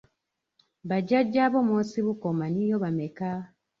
Bajjajja bo mw’osibuka omanyiiyo bameka?